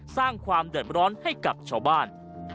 สร้างความเดือดร้อนให้กับชาวบ้าน